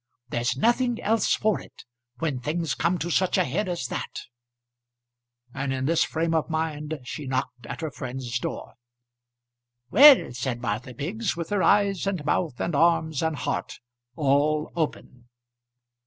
There's nothing else for it, when things come to such a head as that." And in this frame of mind she knocked at her friend's door. "Well!" said Martha Biggs, with her eyes, and mouth, and arms, and heart all open.